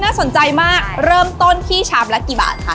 น่าสนใจมากเริ่มต้นที่ชามละกี่บาทค่ะ